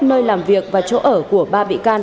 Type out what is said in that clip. nơi làm việc và chỗ ở của ba bị can